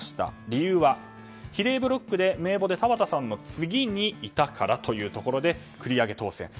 理由は比例ブロックで名簿で田畑さんの次にいたからというところで繰り上げ当選。